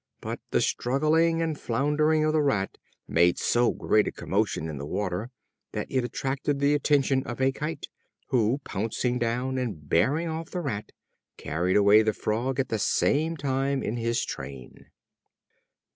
But the struggling and floundering of the Rat made so great a commotion in the water that it attracted the attention of a Kite, who, pouncing down and bearing off the Rat, carried away the Frog at the same time in his train.